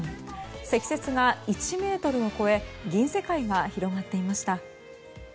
積雪が１ｍを超え銀世界が広がっていました。